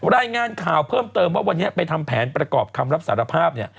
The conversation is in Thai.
รายงานข่าวเพิ่มเติมว่าวันนี้ไปทำแผนประกอบคำรับสารภาพเนี่ย